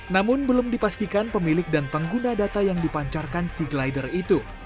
namun belum dipastikan pemilik dan pengguna data yang dipancarkan sea glider itu